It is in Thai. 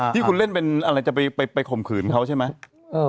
ที่คุณเล่นเป็นอะไรจะไปข่มขืนเขาใช่ไหม